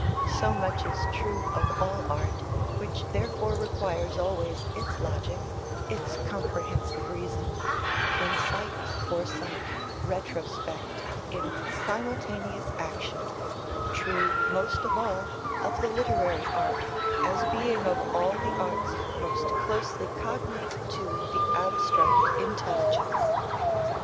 So much is true of all art, which therefore requires always its logic, its comprehensive reason insight, foresight, retrospect, in simultaneous action true, most of all, of the literary art, as being of all the arts most closely cognate to the abstract intelligence.